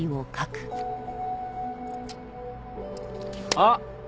あっ！